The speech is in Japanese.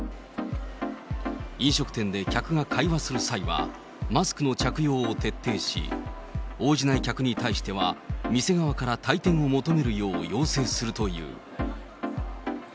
飲食店で客が会話する際は、マスクの着用を徹底し、応じない客に対しては、店側から退店を求めるよう要請するという。